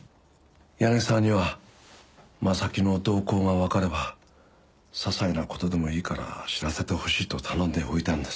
柳沢には正木の動向がわかればささいな事でもいいから知らせてほしいと頼んでおいたんです。